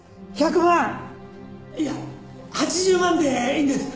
１００万いや８０万でいいんです。